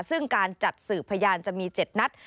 ซึ่งการจัดสืบพยานจะมี๗นัด